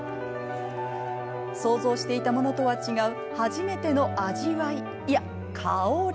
想像していたものとは違う初めての味わいいや、香り。